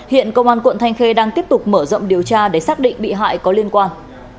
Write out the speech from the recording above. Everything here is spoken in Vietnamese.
hiện công an quận thanh khê đang tiếp tục mở rộng điều tra để xác định bị hại có liên quan